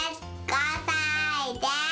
５さいです。